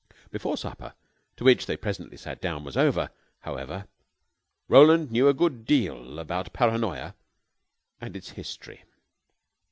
Before supper, to which they presently sat down, was over, however, Roland knew a good deal about Paranoya and its history.